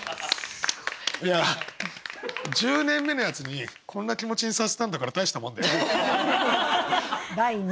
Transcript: １０年目のやつにこんな気持ちにさせたんだから大したもんだよ。